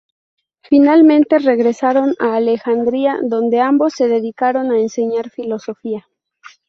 Finalmente regresaron a Alejandría, donde ambos se dedicaron a enseñar filosofía.